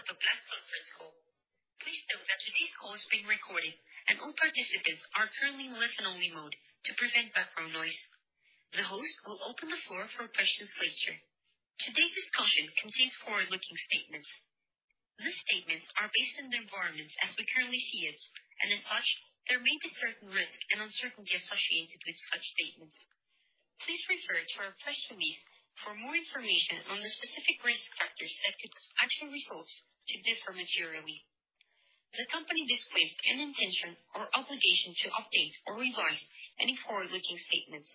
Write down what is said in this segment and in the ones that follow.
Good morning, and welcome to Grupo Rotoplas's conference call. Please note that today's call is being recorded and all participants are currently in listen-only mode to prevent background noise. The host will open the floor for questions later. Today's discussion contains forward-looking statements. These statements are based on the environment as we currently see it, and as such, there may be certain risks and uncertainty associated with such statements. Please refer to our press release for more information on the specific risk factors that could cause actual results to differ materially. The company disclaims any intention or obligation to update or revise any forward-looking statements,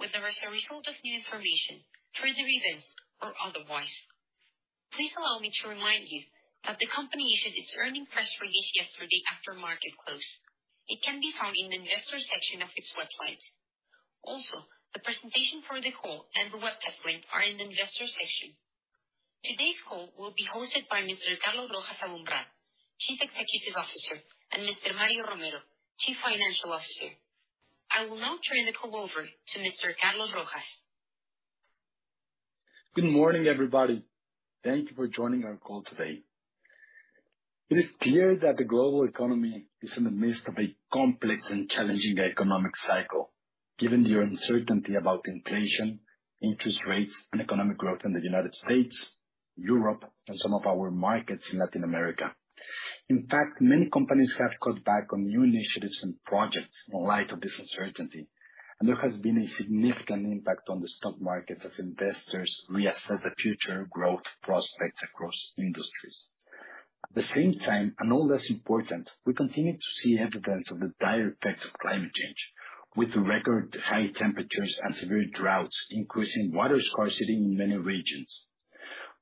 whether as a result of new information, further events, or otherwise. Please allow me to remind you that the company issued its earnings press release yesterday after market close. It can be found in the investor section of its website. Also, the presentation for the call and the webcast link are in the investor section. Today's call will be hosted by Mr. Carlos Rojas Aboumrad, Chief Executive Officer, and Mr. Mario Romero, Chief Financial Officer. I will now turn the call over to Mr. Carlos Rojas. Good morning, everybody. Thank you for joining our call today. It is clear that the global economy is in the midst of a complex and challenging economic cycle, given the uncertainty about inflation, interest rates, and economic growth in the United States, Europe, and some of our markets in Latin America. In fact, many companies have cut back on new initiatives and projects in light of this uncertainty, and there has been a significant impact on the stock market as investors reassess the future growth prospects across industries. At the same time, no less important, we continue to see evidence of the dire effects of climate change, with record high temperatures and severe droughts increasing water scarcity in many regions.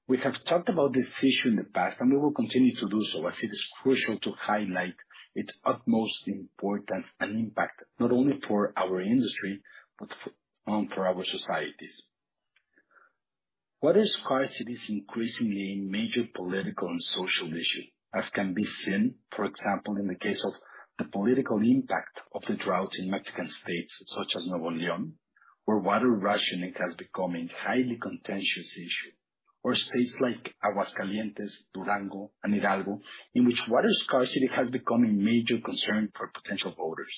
We have talked about this issue in the past, and we will continue to do so as it is crucial to highlight its utmost importance and impact, not only for our industry, but for our societies. Water scarcity is increasingly a major political and social issue, as can be seen, for example, in the case of the political impact of the droughts in Mexican states such as Nuevo León, where water rationing has become a highly contentious issue. States like Aguascalientes, Durango, and Hidalgo, in which water scarcity has become a major concern for potential voters.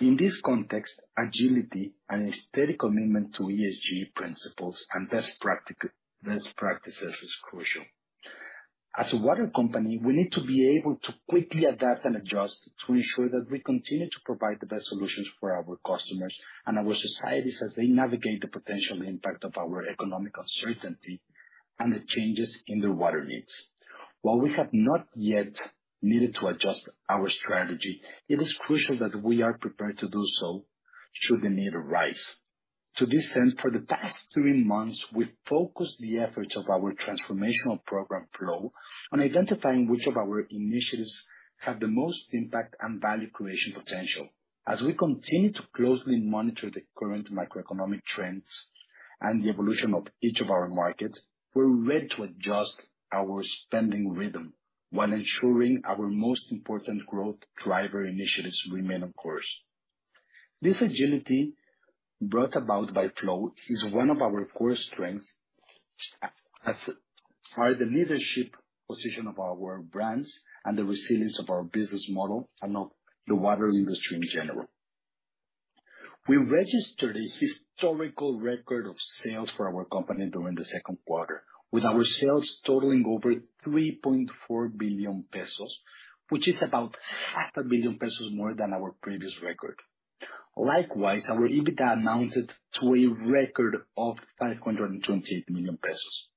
In this context, agility and a steady commitment to ESG principles and best practices is crucial. As a water company, we need to be able to quickly adapt and adjust to ensure that we continue to provide the best solutions for our customers and our societies as they navigate the potential impact of our economic uncertainty and the changes in their water needs. While we have not yet needed to adjust our strategy, it is crucial that we are prepared to do so should the need arise. To this end, for the past three months, we've focused the efforts of our transformational program, Flow, on identifying which of our initiatives have the most impact and value creation potential. As we continue to closely monitor the current macroeconomic trends and the evolution of each of our markets, we're ready to adjust our spending rhythm while ensuring our most important growth driver initiatives remain on course. This agility brought about by Flow is one of our core strengths as are the leadership position of our brands and the resilience of our business model and of the water industry in general. We registered a historical record of sales for our company during the second quarter, with our sales totaling over 3.4 billion pesos, which is about half a billion MXN more than our previous record. Likewise, our EBITDA amounted to a record of 528 million pesos.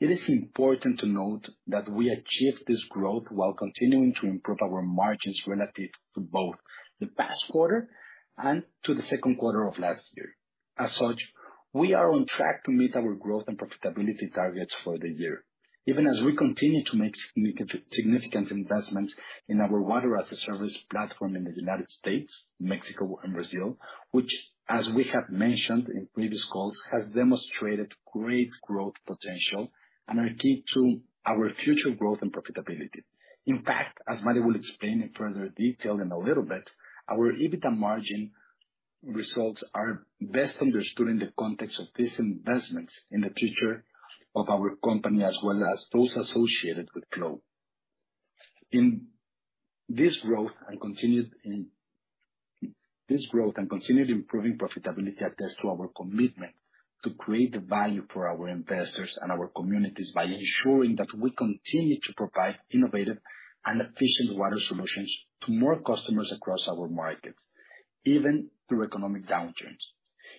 It is important to note that we achieved this growth while continuing to improve our margins relative to both the past quarter and to the second quarter of last year. As such, we are on track to meet our growth and profitability targets for the year, even as we continue to make significant investments in our Water as a Service platform in the United States, Mexico, and Brazil, which, as we have mentioned in previous calls, has demonstrated great growth potential and are key to our future growth and profitability. In fact, as Mario will explain in further detail in a little bit, our EBITDA margin results are best understood in the context of these investments in the future of our company, as well as those associated with Flow. This growth and continued improving profitability attests to our commitment to create value for our investors and our communities by ensuring that we continue to provide innovative and efficient water solutions to more customers across our markets, even through economic downturns.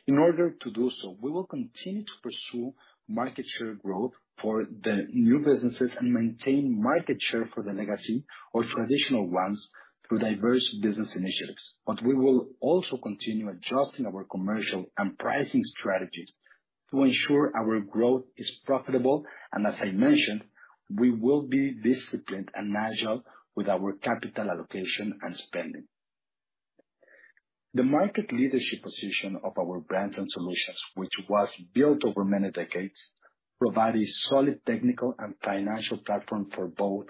In order to do so, we will continue to pursue market share growth for the new businesses and maintain market share for the legacy or traditional ones through diverse business initiatives. We will also continue adjusting our commercial and pricing strategies to ensure our growth is profitable. As I mentioned, we will be disciplined and agile with our capital allocation and spending. The market leadership position of our brands and solutions, which was built over many decades, provide a solid technical and financial platform for both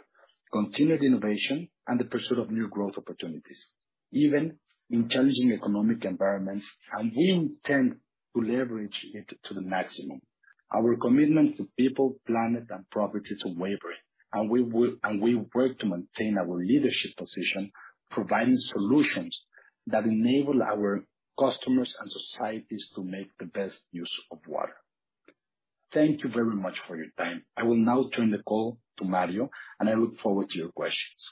continued innovation and the pursuit of new growth opportunities. Even in challenging economic environments, we intend to leverage it to the maximum. Our commitment to people, planet, and property is unwavering, and we work to maintain our leadership position, providing solutions that enable our customers and societies to make the best use of water. Thank you very much for your time. I will now turn the call to Mario, and I look forward to your questions.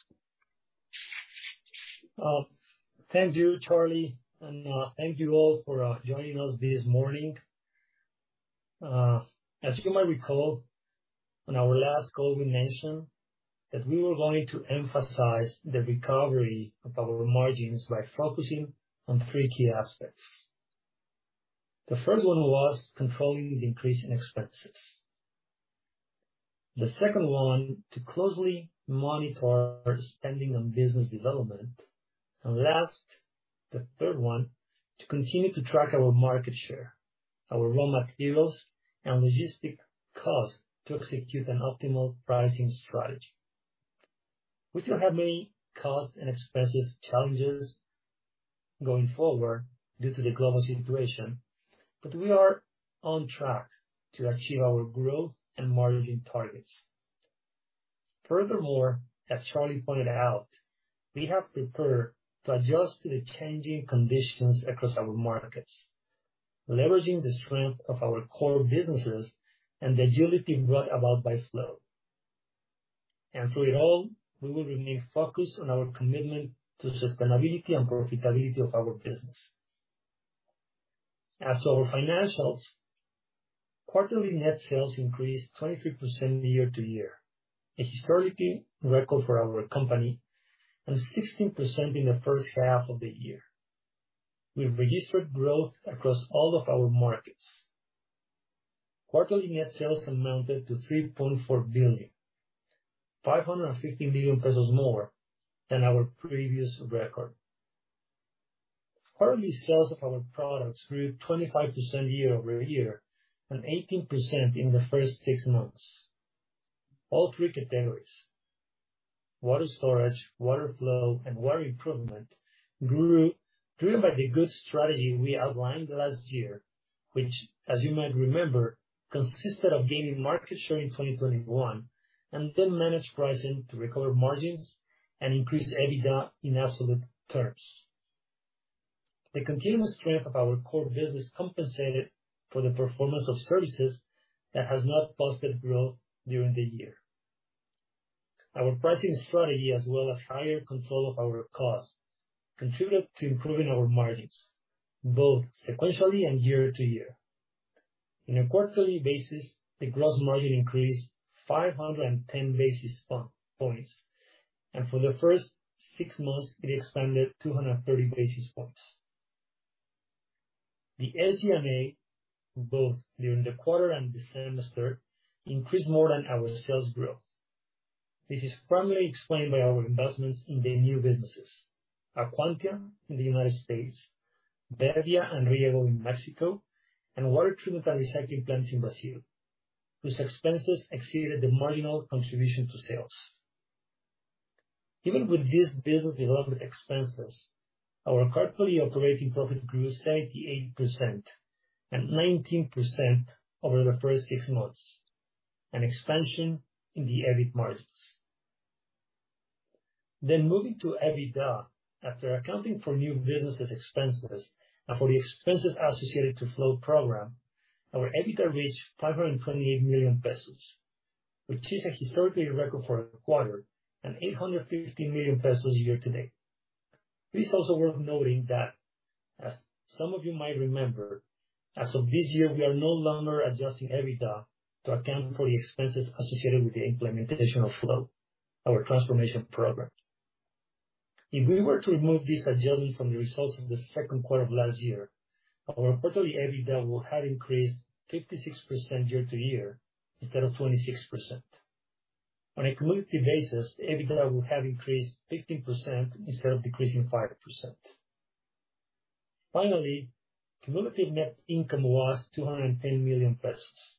Thank you, Charlie, and thank you all for joining us this morning. As you might recall, on our last call, we mentioned that we were going to emphasize the recovery of our margins by focusing on three key aspects. The first one was controlling the increase in expenses. The second one, to closely monitor our spending on business development. Last, the third one, to continue to track our market share, our raw materials, and logistics costs to execute an optimal pricing strategy. We still have many cost and expenses challenges going forward due to the global situation, but we are on track to achieve our growth and margin targets. Furthermore, as Charlie pointed out, we have prepared to adjust to the changing conditions across our markets, leveraging the strength of our core businesses and the agility brought about by Flow. Through it all, we will remain focused on our commitment to sustainability and profitability of our business. As to our financials, quarterly net sales increased 23% year-over-year, a historic record for our company, and 16% in the first half of the year. We've registered growth across all of our markets. Quarterly net sales amounted to 3.95 billion more than our previous record. Quarterly sales of our products grew 25% year-over-year, and 18% in the first six months. All three categories, water storage, water flow, and water improvement, grew, driven by the good strategy we outlined last year, which, as you might remember, consisted of gaining market share in 2021, and then managed pricing to recover margins and increase EBITDA in absolute terms. The continuous strength of our core business compensated for the performance of services that has not boosted growth during the year. Our pricing strategy, as well as higher control of our costs, contributed to improving our margins, both sequentially and year-over-year. On a quarterly basis, the gross margin increased 510 basis points, and for the first six months, it expanded 230 basis points. The SG&A, both during the quarter and the semester, increased more than our sales growth. This is primarily explained by our investments in the new businesses, Acuantia in the United States, Bebbia and Rieggo in Mexico, and water treatment and recycling plants in Brazil, whose expenses exceeded the marginal contribution to sales. Even with these business development expenses, our quarterly operating profit grew 78% and 19% over the first six months, an expansion in the EBIT margins. Moving to EBITDA. After accounting for new businesses expenses and for the expenses associated to Flow program, our EBITDA reached 528 million pesos, which is a historic record for a quarter, and 850 million pesos year to date. It is also worth noting that, as some of you might remember, as of this year, we are no longer adjusting EBITDA to account for the expenses associated with the implementation of Flow, our transformation program. If we were to remove this adjustment from the results of the second quarter of last year, our quarterly EBITDA will have increased 56% year-over-year, instead of 26%. On a cumulative basis, the EBITDA will have increased 15% instead of decreasing 5%. Finally, cumulative net income was 210 million pesos,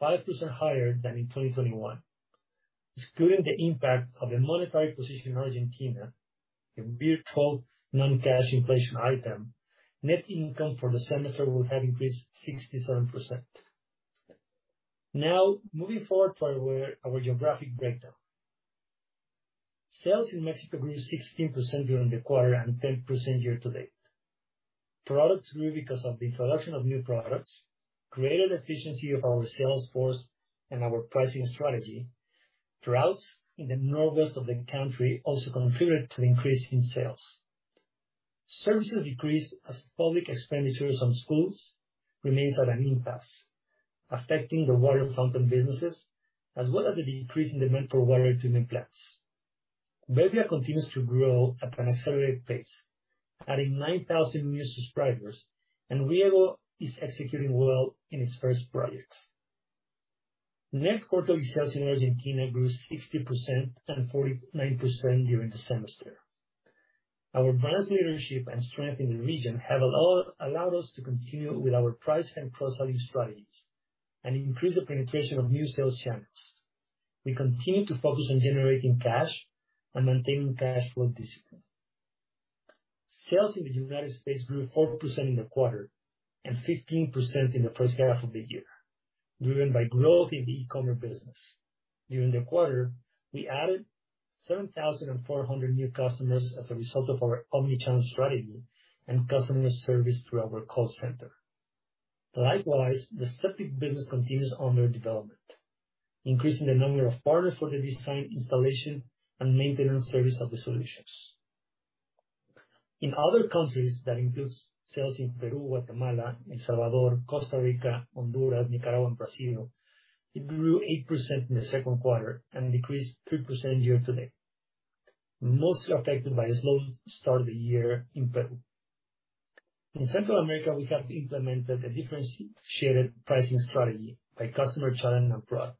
5% higher than in 2021. Excluding the impact of the monetary position in Argentina, the virtual non-cash inflation item, net income for the semester would have increased 67%. Now, moving forward to our geographic breakdown. Sales in Mexico grew 16% during the quarter, and 10% year to date. Products grew because of the introduction of new products, greater efficiency of our sales force, and our pricing strategy. Droughts in the northwest of the country also contributed to the increase in sales. Services decreased as public expenditures on schools remains at an impasse, affecting the water fountain businesses, as well as the decrease in demand for water treatment plants. Bebbia continues to grow at an accelerated pace, adding 9,000 new subscribers, and Rieggo is executing well in its first projects. Net quarterly sales in Argentina grew 60% and 49% during the semester. Our brand leadership and strength in the region have allowed us to continue with our price and cross-selling strategies and increase the penetration of new sales channels. We continue to focus on generating cash and maintaining cash flow discipline. Sales in the United States grew 4% in the quarter and 15% in the first half of the year, driven by growth in the e-commerce business. During the quarter, we added 7,400 new customers as a result of our omni-channel strategy and customer service through our call center. Likewise, the septic business continues on their development, increasing the number of partners for the design, installation, and maintenance service of the solutions. In other countries, that includes sales in Peru, Guatemala, El Salvador, Costa Rica, Honduras, Nicaragua, and Brazil. It grew 8% in the second quarter and decreased 3% year to date, mostly affected by a slow start of the year in Peru. In Central America, we have implemented a different shared pricing strategy by customer channel and product.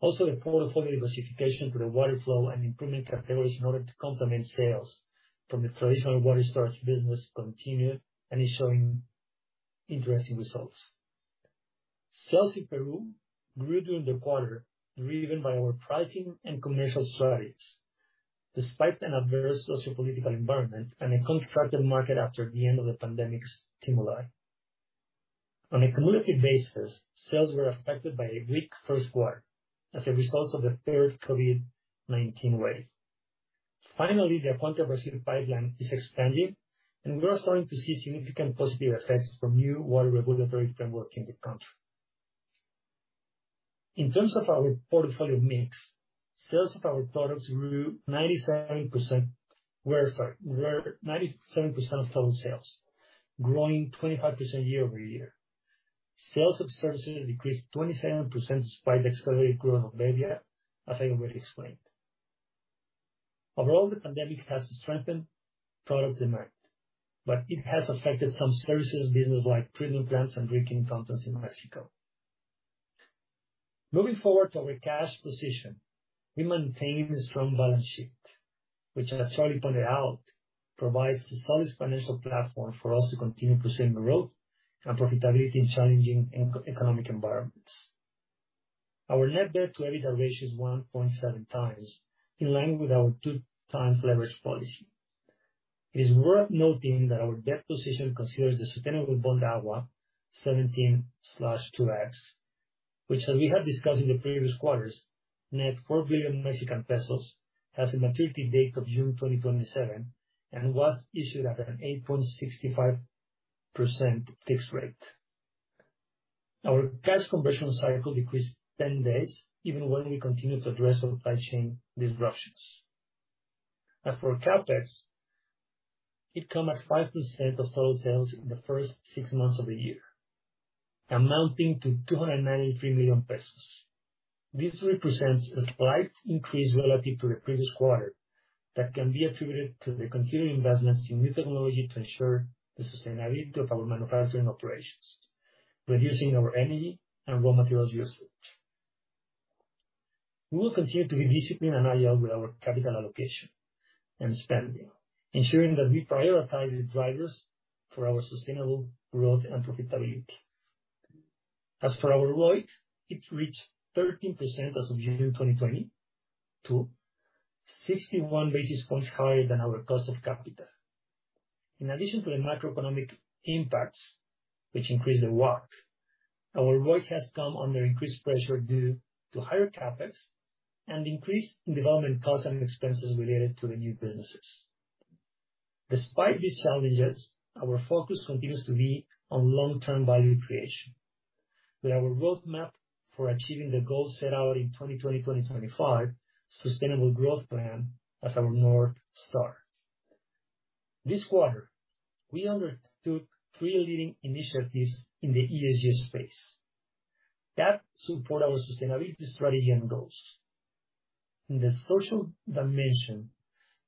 Also, the portfolio diversification to the water flow and water improvement categories in order to complement sales from the traditional water storage business continue and is showing interesting results. Sales in Peru grew during the quarter, driven by our pricing and commercial strategies, despite an adverse socio-political environment and a contracted market after the end of the pandemic stimuli. On a cumulative basis, sales were affected by a weak first quarter as a result of the third COVID-19 wave. Finally, the Acuantia Brazil pipeline is expanding, and we are starting to see significant positive effects from new water regulatory framework in the country. In terms of our portfolio mix, sales of our products were 97% of total sales, growing 25% year-over-year. Sales of services decreased 27% despite the accelerated growth of Bebbia, as I already explained. Overall, the pandemic has strengthened products demand, but it has affected some services business like treatment plants and drinking fountains in Mexico. Moving forward to our cash position, we maintain a strong balance sheet, which, as Charlie pointed out, provides a solid financial platform for us to continue pursuing growth and profitability in challenging macro-economic environments. Our net debt to EBITDA ratio is 1.7x, in line with our 2x leverage policy. It is worth noting that our debt position considers the sustainable bond AGUA 17-2X, which as we have discussed in the previous quarters, net 4 billion Mexican pesos, has a maturity date of June 2027 and was issued at an 8.65% fixed rate. Our cash conversion cycle decreased 10 days even when we continue to address our supply chain disruptions. As for CapEx, it come at 5% of total sales in the first six months of the year, amounting to 293 million pesos. This represents a slight increase relative to the previous quarter that can be attributed to the continuing investments in new technology to ensure the sustainability of our manufacturing operations, reducing our energy and raw materials usage. We will continue to be disciplined and agile with our capital allocation and spending, ensuring that we prioritize the drivers for our sustainable growth and profitability. As for our ROIC, it reached 13% as of June 2022, 61 basis points higher than our cost of capital. In addition to the macroeconomic impacts, which increased the WACC, our ROIC has come under increased pressure due to higher CapEx and an increase in development costs and expenses related to the new businesses. Despite these challenges, our focus continues to be on long-term value creation. With our roadmap for achieving the goals set out in 2020/2025 sustainable growth plan as our North Star. This quarter, we undertook three leading initiatives in the ESG space that support our sustainability strategy and goals. In the social dimension,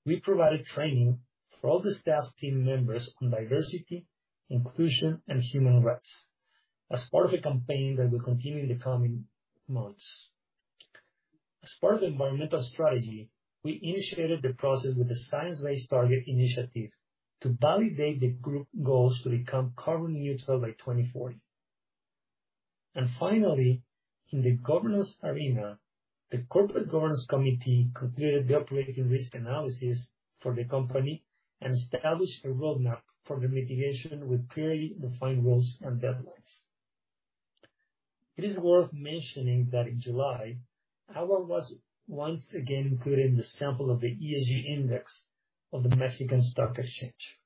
we provided training for all the staff team members on diversity, inclusion, and human rights as part of a campaign that will continue in the coming months. As part of the environmental strategy, we initiated the process with the Science Based Targets initiative to validate the group goals to become carbon neutral by 2040. Finally, in the governance arena, the Corporate Governance Committee completed the operating risk analysis for the company and established a roadmap for the mitigation with clearly defined roles and deadlines. It is worth mentioning that in July, AGUA was once again included in the sample of the ESG index of the Mexican Stock Exchange.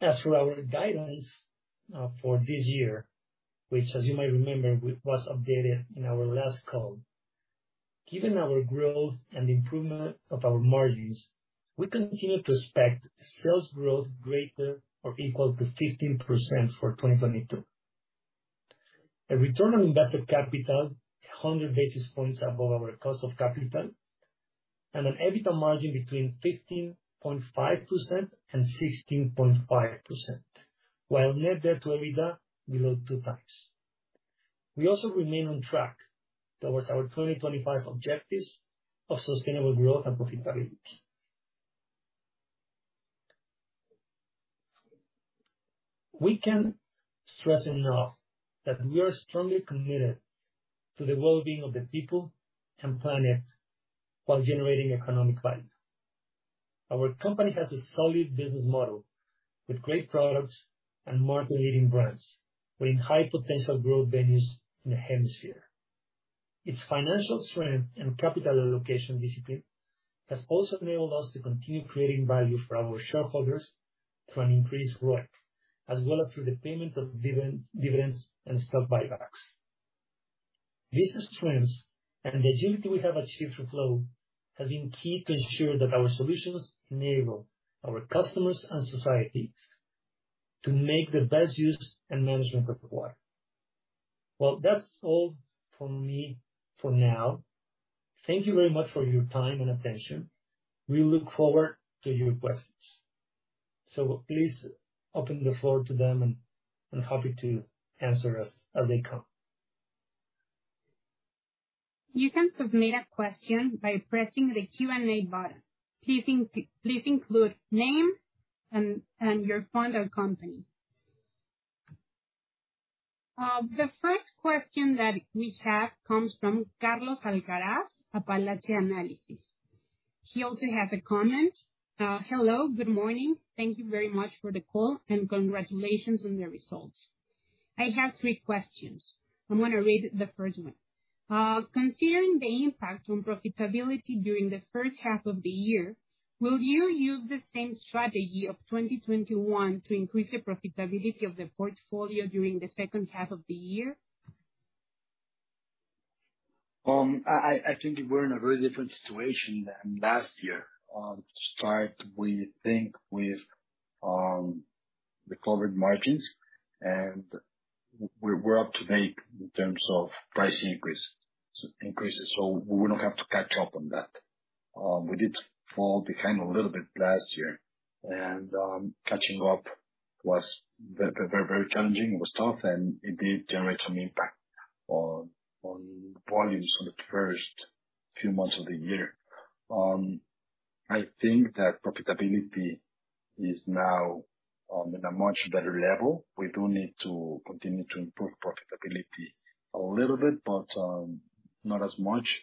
As for our guidance for this year, which as you might remember was updated in our last call. Given our growth and improvement of our margins, we continue to expect sales growth greater or equal to 15% for 2022. A return on invested capital 100 basis points above our cost of capital and an EBITDA margin between 15.5% and 16.5%, while net debt to EBITDA below 2x. We also remain on track towards our 2025 objectives of sustainable growth and profitability. We cannot stress enough that we are strongly committed to the well-being of the people and planet while generating economic value. Our company has a solid business model with great products and market-leading brands within high potential growth venues in the hemisphere. Its financial strength and capital allocation discipline has also enabled us to continue creating value for our shareholders through an increased growth as well as through the payment of dividends and stock buybacks. These strengths and the agility we have achieved through Flow has been key to ensure that our solutions enable our customers and society to make the best use and management of water. Well, that's all from me for now. Thank you very much for your time and attention. We look forward to your questions. Please open the floor to them and happy to answer as they come. You can submit a question by pressing the Q&A button. Please include name and your fund or company. The first question that we have comes from Carlos Alcaraz at Palet Análisis. He also has a comment. Hello, good morning. Thank you very much for the call, and congratulations on your results. I have three questions. I'm gonna read the first one. Considering the impact on profitability during the first half of the year, will you use the same strategy of 2021 to increase the profitability of the portfolio during the second half of the year? I think we're in a very different situation than last year. To start, we think we've covered margins, and we're up to date in terms of price increases, so we wouldn't have to catch up on that. We did fall behind a little bit last year, and catching up was very challenging. It was tough, and it did generate some impact on volumes on the first few months of the year. I think that profitability is now in a much better level. We do need to continue to improve profitability a little bit, but not as much.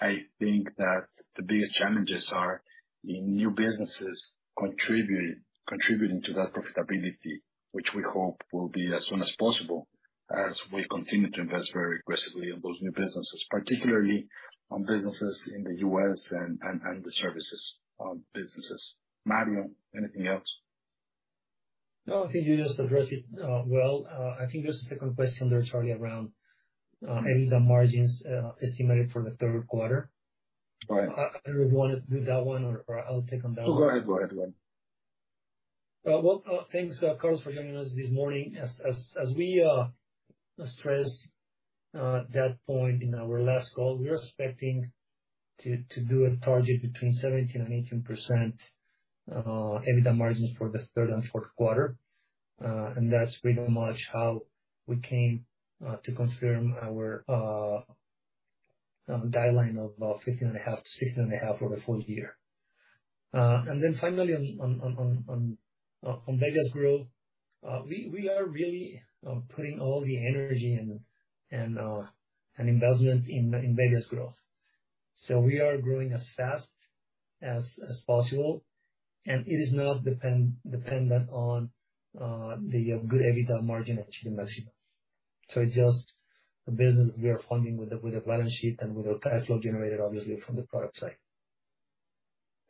I think that the biggest challenges are in new businesses contributing to that profitability, which we hope will be as soon as possible as we continue to invest very aggressively in those new businesses, particularly on businesses in the US and the services businesses. Mario, anything else? No, I think you just addressed it, well. I think there's a second question there, Charlie, around EBITDA margins estimated for the third quarter. Right. I don't know if you wanna do that one or I'll take on that one. Go ahead. Thanks, Carlos, for joining us this morning. As we stress that point in our last call, we are expecting to do a target between 17%-18% EBITDA margins for the third and fourth quarter, and that's pretty much how we came to confirm our guideline of 15.5%-16.5% for the full year. Finally on Bebbia's growth, we are really putting all the energy and investment in Bebbia's growth. We are growing as fast as possible, and it is not dependent on the good EBITDA margin achieved in Mexico. It's just a business we are funding with the balance sheet and with the cash flow generated obviously from the product side.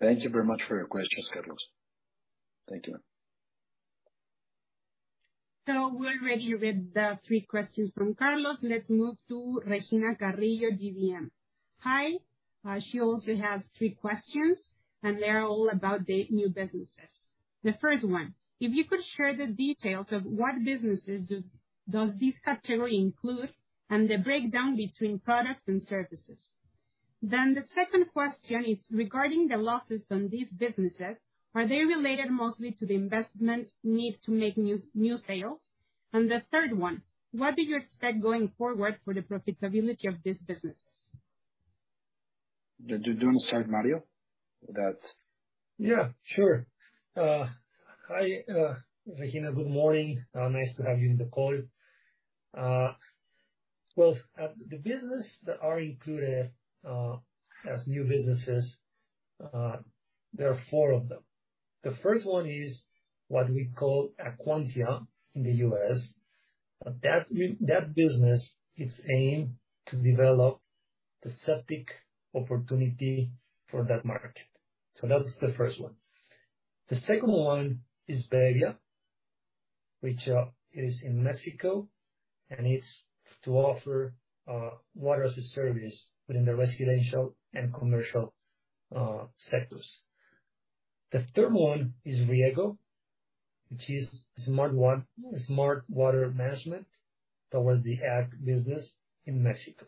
Thank you very much for your questions, Carlos. Thank you. We already read the three questions from Carlos. Let's move to Regina Carrillo, GBM. Hi. She also has three questions, and they're all about the new businesses. The first one: If you could share the details of what businesses does this category include and the breakdown between products and services? The second question is regarding the losses on these businesses, are they related mostly to the investment need to make new sales? The third one, what do you expect going forward for the profitability of these businesses? Do you wanna start, Mario? Yeah, sure. Hi, Regina. Good morning. Nice to have you in the call. Well, the businesses that are included as new businesses, there are four of them. The first one is what we call Acuantia in the US. That business, it's aimed to develop the septic opportunity for that market. That's the first one. The second one is Bebbia, which is in Mexico, and it's to offer water as a service within the residential and commercial sectors. The third one is rieggo, which is smart water management towards the ag business in Mexico.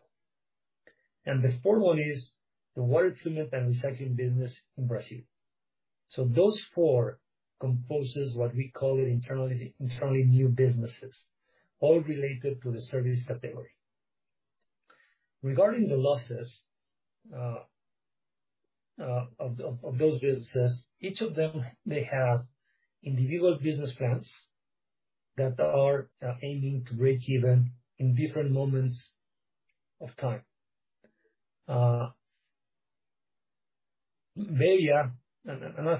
The fourth one is the water treatment and recycling business in Brazil. Those four compose what we call internally new businesses, all related to the service category. Regarding the losses of those businesses, each of them they have individual business plans that are aiming to break even in different moments of time. I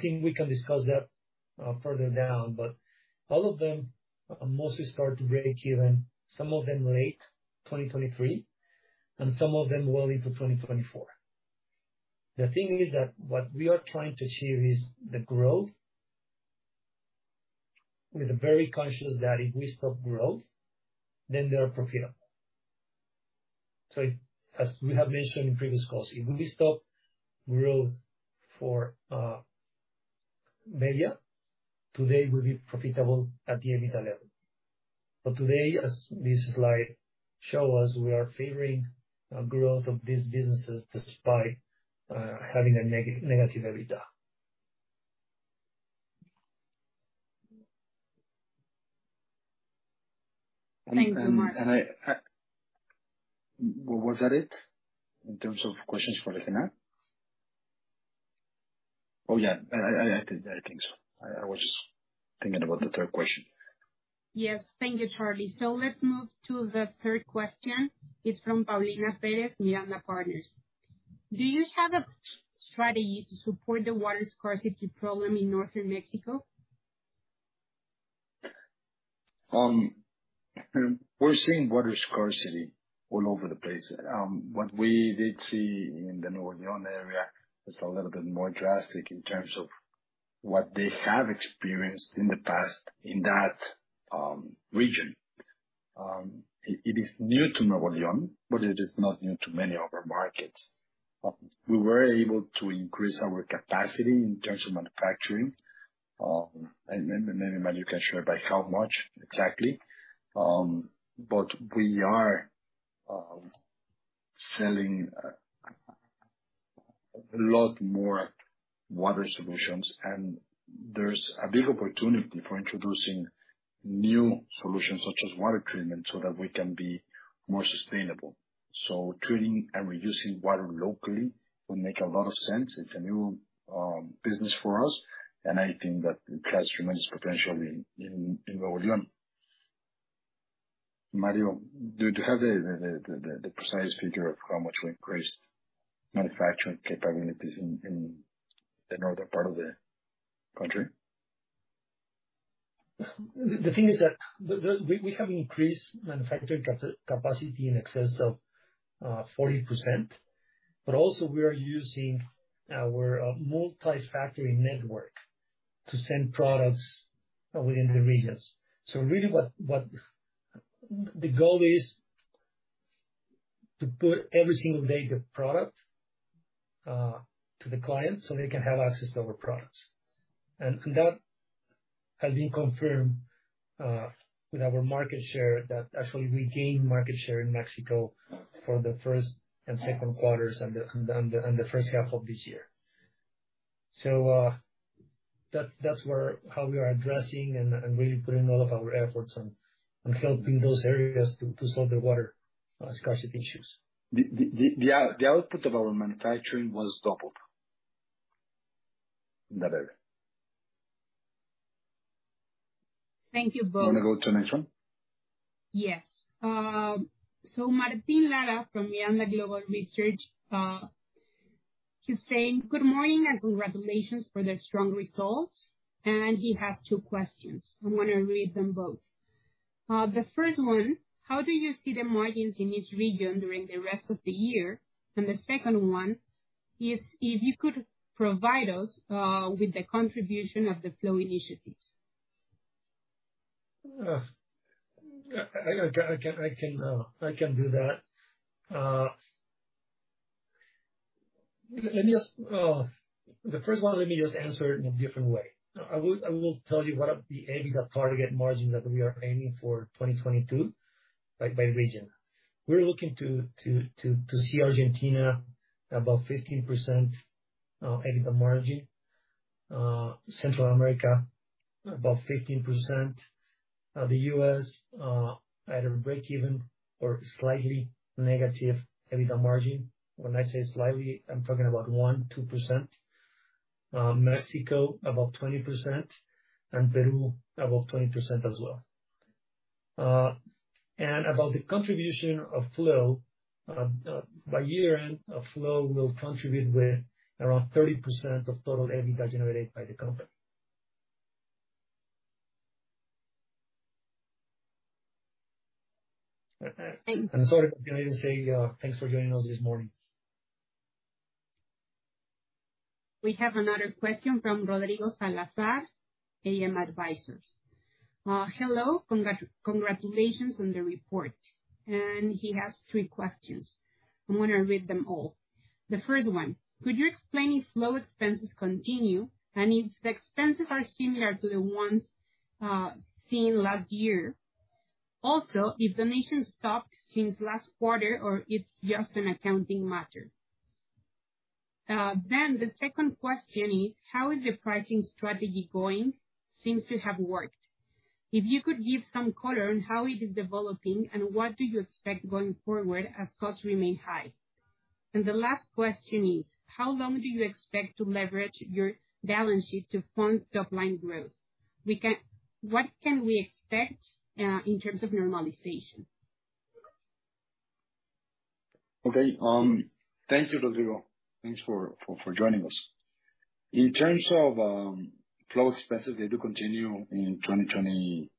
think we can discuss that further down, but all of them mostly start to break even, some of them late 2023, and some of them well into 2024. The thing is that what we are trying to achieve is the growth. We are very conscious that if we stop growth, then they are profitable. As we have mentioned in previous calls, if we stop growth for Media, today we'll be profitable at the EBITDA level. Today, as this slide shows us, we are favoring growth of these businesses despite having a negative EBITDA. Thank you, Martín. Was that it in terms of questions for Regina Carrillo? Oh, yeah. I think so. I was just thinking about the third question. Yes. Thank you, Charlie. Let's move to the third question. It's from Paulina Pérez, Miranda Partners. Do you have a strategy to support the water scarcity problem in northern Mexico? We're seeing water scarcity all over the place. What we did see in the Nuevo León area is a little bit more drastic in terms of what they have experienced in the past in that region. It is new to Nuevo León, but it is not new to many other markets. We were able to increase our capacity in terms of manufacturing, and Mario can share by how much exactly. We are selling a lot more water solutions, and there's a big opportunity for introducing new solutions such as water treatment so that we can be more sustainable. Treating and reducing water locally will make a lot of sense. It's a new business for us, and I think that it has tremendous potential in Nuevo León. Mario, do you have the precise figure of how much we increased manufacturing capabilities in the northern part of the country? The thing is that we have increased manufacturing capacity in excess of 40%, but also we are using our multi-factory network to send products within the regions. Really, the goal is to put every single day the product to the client, so they can have access to our products. That has been confirmed with our market share that actually we gained market share in Mexico for the first and second quarters and the first half of this year. That's where how we are addressing and really putting all of our efforts on helping those areas to solve their water scarcity issues. The output of our manufacturing was doubled in that area. Thank you both. You wanna go to the next one? Yes. So Martín Lara from Miranda Global Research, he's saying good morning and congratulations for the strong results. He has two questions. I'm gonna read them both. The first one: How do you see the margins in each region during the rest of the year? The second one is if you could provide us with the contribution of the Flow initiatives. I can do that. Let me just answer the first one in a different way. I will tell you what are the EBITDA target margins that we are aiming for 2022 by region. We're looking to see Argentina above 15% EBITDA margin. Central America, above 15%. The US, either breakeven or slightly negative EBITDA margin. When I say slightly, I'm talking about 1%-2%. Mexico, above 20%, and Peru above 20% as well. About the contribution of Flow, by year-end, Flow will contribute with around 30% of total EBITDA generated by the company. Thank you. I'm sorry, Paulina. I just say, thanks for joining us this morning. We have another question from Rodrigo Salazar, AM Advisors. Hello. Congratulations on the report. He has three questions. I'm gonna read them all. The first one: Could you explain if Flow expenses continue, and if the expenses are similar to the ones seen last year? Also, if the measure stopped since last quarter or it's just an accounting matter. The second question is: How is your pricing strategy going? Seems to have worked. If you could give some color on how it is developing and what do you expect going forward as costs remain high. The last question is: How long do you expect to leverage your balance sheet to fund top-line growth? What can we expect in terms of normalization? Okay. Thank you, Rodrigo. Thanks for joining us. In terms of Flow expenses, they do continue in 2022.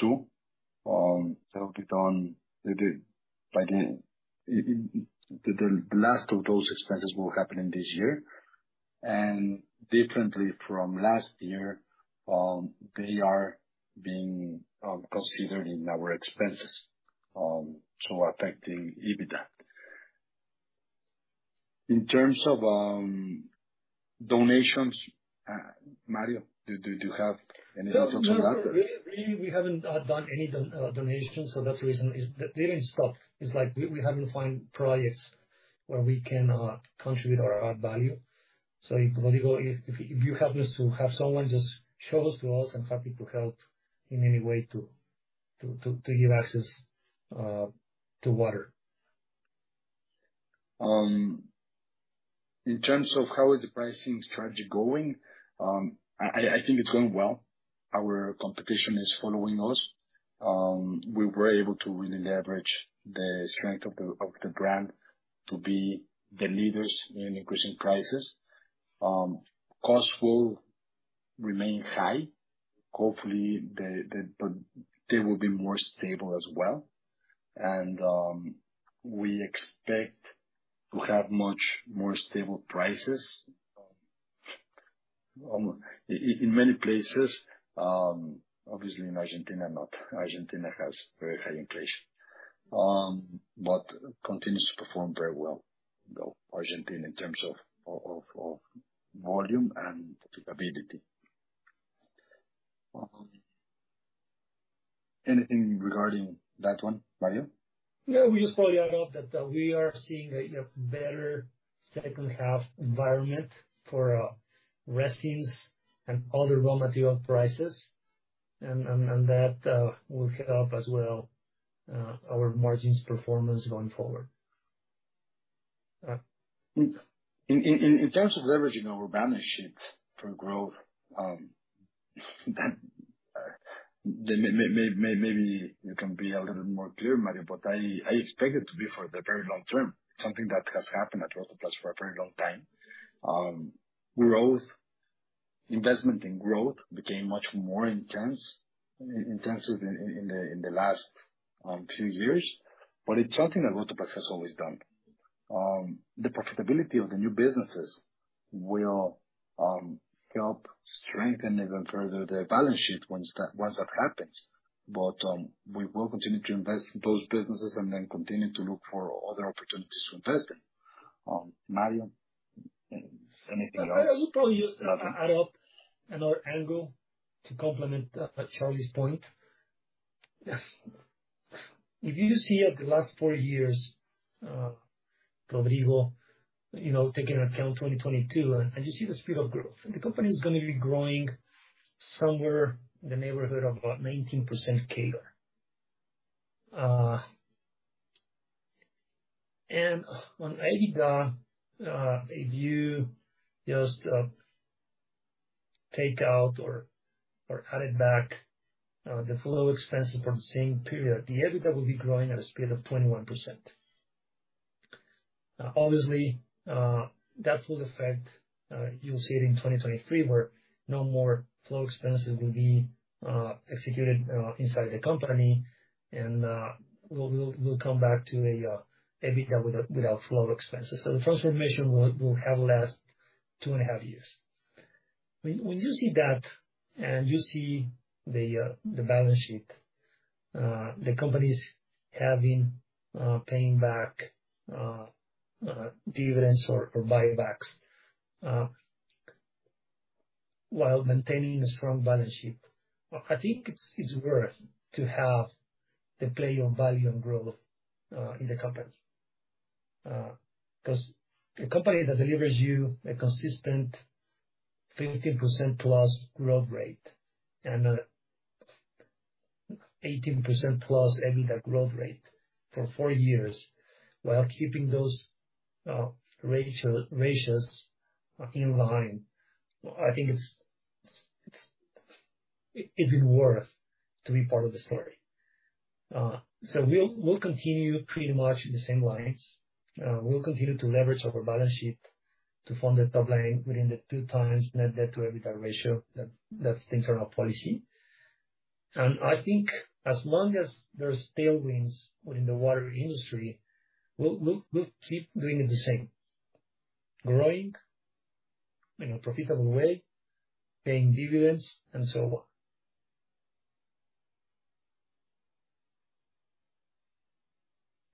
So be done by the end of the year. Differently from last year, they are being considered in our expenses, so affecting EBITDA. In terms of donations, Mario, do you have any thoughts on that? No. We haven't done any donation, so that's the reason is they didn't stop. It's like we haven't find projects where we can contribute our value. If, Rodrigo, if you help us to have someone just show us to us, I'm happy to help in any way to give access to water. In terms of how the pricing strategy is going, I think it's going well. Our competition is following us. We were able to really leverage the strength of the brand to be the leaders in increasing prices. Costs will remain high. Hopefully, they will be more stable as well. We expect to have much more stable prices in many places. Obviously, in Argentina, not. Argentina has very high inflation. Argentina continues to perform very well, though, in terms of volume and profitability. Anything regarding that one, Mario? No, we just probably add up that we are seeing a better second half environment for resins and other raw material prices and that will help as well our margins performance going forward. In terms of leveraging our balance sheet for growth, maybe you can be a little more clear, Mario, but I expect it to be for the very long term, something that has happened at Rotoplas for a very long time. Growth, investment and growth became much more intensive in the last few years, but it's something that Rotoplas has always done. The profitability of the new businesses will help strengthen even further the balance sheet once that happens. We will continue to invest in those businesses and then continue to look for other opportunities to invest in. Mario, anything else? I would probably just add up another angle to complement Charlie's point. If you just see over the last four years, Rodrigo, you know, taking into account 2022, and you see the speed of growth. The company is gonna be growing somewhere in the neighborhood of about 19% CAGR. On EBITDA, if you just take out or add it back the Flow expenses from the same period, the EBITDA will be growing at a speed of 21%. Obviously, that will affect. You'll see it in 2023, where no more Flow expenses will be executed inside the company. We'll come back to an EBITDA without Flow expenses. The transformation will have last 2.5 years. When you see that, and you see the balance sheet, the company is paying back dividends or buybacks while maintaining a strong balance sheet, I think it's worth to have the play on value and growth in the company. 'Cause a company that delivers you a consistent 15%+ growth rate and an 18%+ EBITDA growth rate for four years while keeping those ratios in line, I think it's even worth to be part of the story. We'll continue pretty much in the same lines. We'll continue to leverage our balance sheet to fund the top line within the 2x net debt to EBITDA ratio. That's internal policy. I think as long as there's tailwinds within the water industry, we'll keep doing it the same. Growing in a profitable way, paying dividends and so on.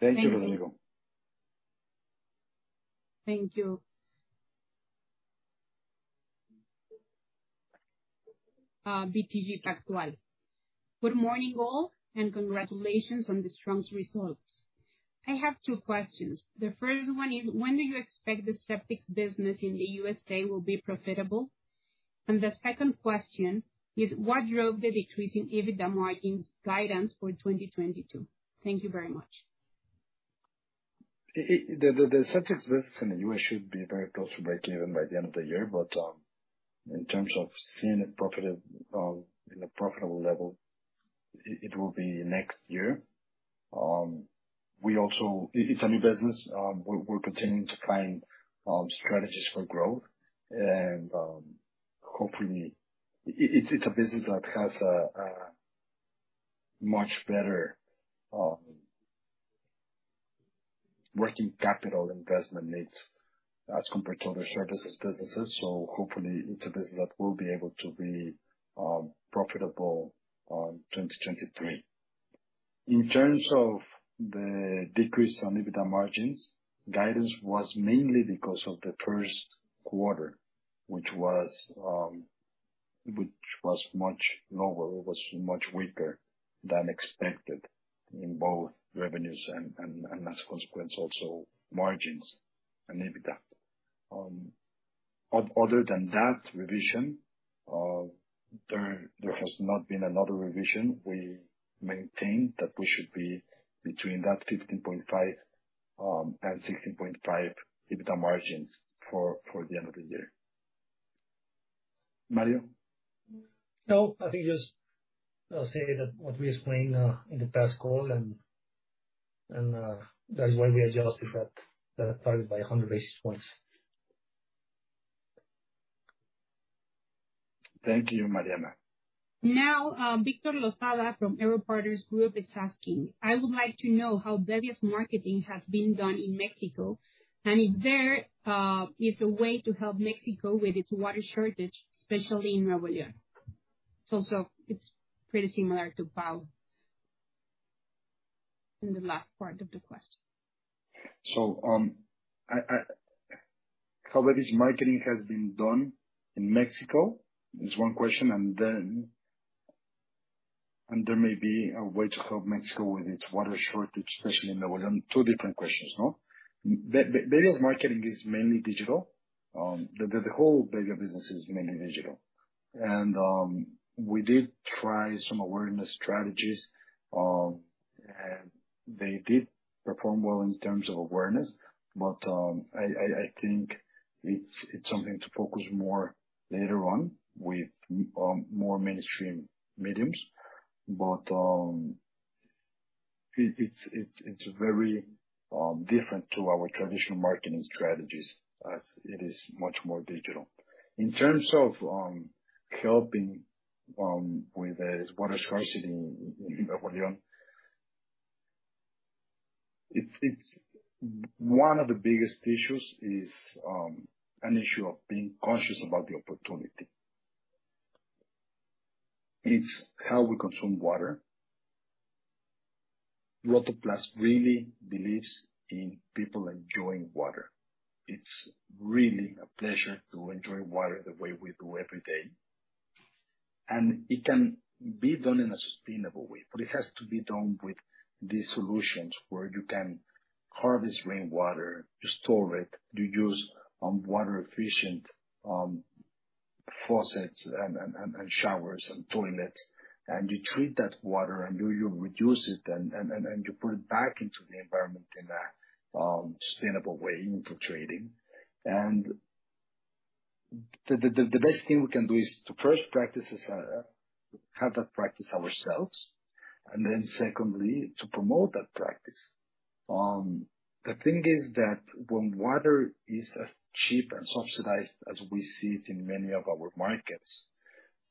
Thank you, Rodrigo. Thank you. BTG Pactual. Good morning, all, and congratulations on the strong results. I have two questions. The first one is. When do you expect the Septics business in the USA will be profitable? The second question is. What drove the decrease in EBITDA margins guidance for 2022? Thank you very much. The Septics business in the US should be very close to breakeven by the end of the year. In terms of seeing it in a profitable level, it will be next year. It's a new business. We're continuing to find strategies for growth. Hopefully it's a business that has a much better working capital investment needs as compared to other services businesses. Hopefully it's a business that will be able to be profitable 2023. In terms of the decrease on EBITDA margins, guidance was mainly because of the first quarter, which was much lower, it was much weaker than expected in both revenues and as a consequence, also margins and EBITDA. Other than that revision, there has not been another revision. We maintain that we should be between 15.5% and 16.5% EBITDA margins for the end of the year. Mario? No, I think just I'll say that what we explained in the past call and that is why we adjusted that the target by 100 basis points. Thank you, Mariana. Now, Víctor Losada from Aeropartners Group is asking: I would like to know how various marketing has been done in Mexico, and if there is a way to help Mexico with its water shortage, especially in Nuevo León. It's pretty similar to Pau in the last part of the question. How this marketing has been done in Mexico is one question, and there may be a way to help Mexico with its water shortage, especially in Nuevo León. Two different questions, no? The various marketing is mainly digital. The whole Bebbia business is mainly digital. We did try some awareness strategies, and they did perform well in terms of awareness. I think it's something to focus more later on with more mainstream mediums. It's very different to our traditional marketing strategies as it is much more digital. In terms of helping with the water scarcity in Nuevo León. One of the biggest issues is an issue of being conscious about the opportunity. It's how we consume water. Water Plus really believes in people enjoying water. It's really a pleasure to enjoy water the way we do every day. It can be done in a sustainable way, but it has to be done with these solutions where you can harvest rainwater, you store it, you use water-efficient faucets and showers and toilets, and you treat that water and you reduce it and you put it back into the environment in a sustainable way, infiltrating. The best thing we can do is to first practice this, have that practice ourselves, and then secondly, to promote that practice. The thing is that when water is as cheap and subsidized as we see it in many of our markets,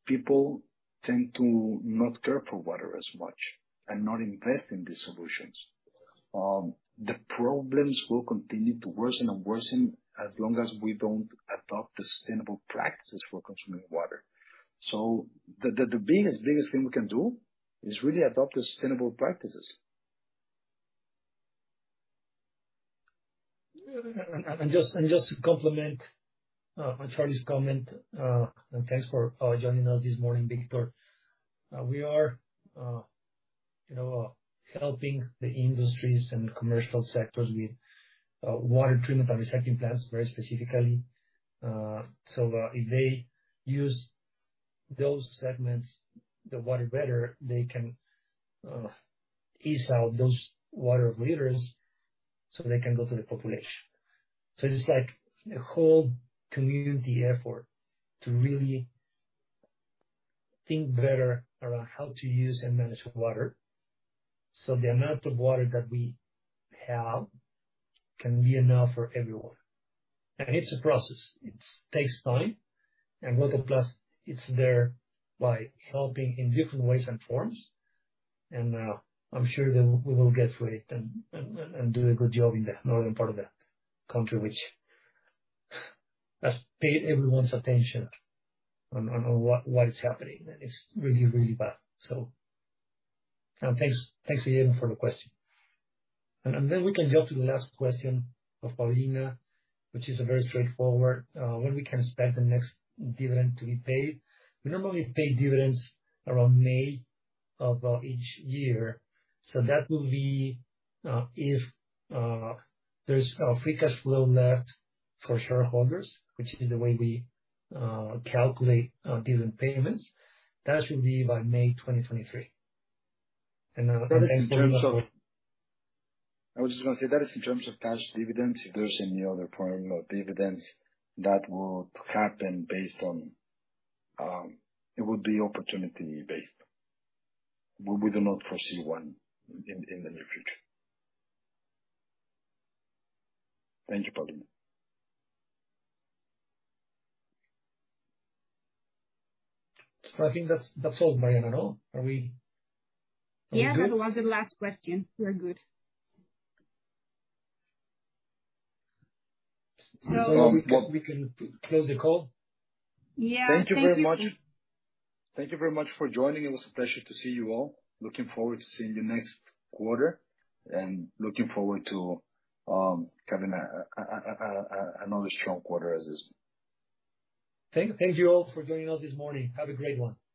people tend to not care for water as much and not invest in these solutions. The problems will continue to worsen as long as we don't adopt the sustainable practices for consuming water. The biggest thing we can do is really adopt the sustainable practices. Just to complement Charlie's comment, and thanks for joining us this morning, Víctor. We are, you know, helping the industries and commercial sectors with water treatment and recycling plants very specifically. If they use those segments the water better, they can ease out those water leaders, so they can go to the population. It is like a whole community effort to really think better around how to use and manage water, so the amount of water that we have can be enough for everyone. It is a process. It takes time. Water Plus is there by helping in different ways and forms. I'm sure that we will get to it and do a good job in the northern part of the country, which has paid everyone's attention on what is happening, and it's really bad. Thanks again for the question. Then we can go to the last question of Paulina, which is a very straightforward, when we can expect the next dividend to be paid. We normally pay dividends around May of each year. That will be, if there's free cash flow left for shareholders, which is the way we calculate dividend payments. That should be by May 2023. I was just gonna say, that is in terms of cash dividends. If there's any other form of dividends, that would happen based on, it would be opportunity based. We do not foresee one in the near future. Thank you, Paulina. I think that's all, Mariana. No? Are we good? Yeah, that was the last question. We're good. We can close the call. Yeah. Thank you. Thank you very much. Thank you very much for joining. It was a pleasure to see you all. Looking forward to seeing you next quarter and looking forward to having another strong quarter as this one. Thank you all for joining us this morning. Have a great one.